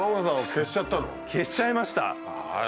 消しちゃいました。